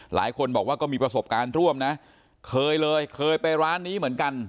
หลายคนบอกว่าก็มีประสบการณ์ร่วมนะเคยเลยเคยไปร้านนี้เหมือนกัน